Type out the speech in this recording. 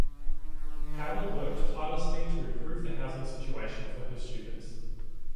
Powell worked tirelessly to improve the housing situation for her students.